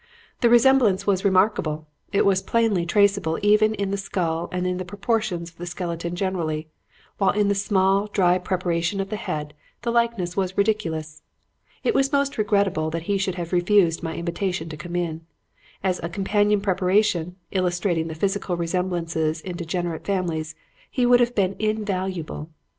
The resemblance was remarkable. It was plainly traceable even in the skull and in the proportions of the skeleton generally, while in the small, dry preparation of the head the likeness was ridiculous. It was most regrettable that he should have refused my invitation to come in. As a companion preparation, illustrating the physical resemblances in degenerate families, he would have been invaluable.